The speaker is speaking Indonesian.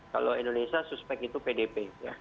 kalau indonesia suspek itu pdp